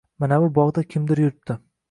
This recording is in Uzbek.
— Manavi bog‘da kimdir yuribdi.